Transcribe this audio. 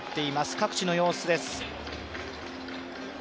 各地の様子です。